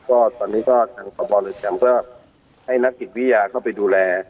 ก็ตอนนี้ก็ทางประบอบริษัทกรรมก็ให้นักกิจวิญญาณเข้าไปดูแล